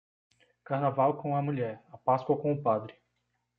Carnaval com a mulher, a Páscoa com o padre.